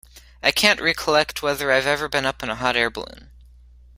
I can't recollect whether I've ever been up in a hot air balloon.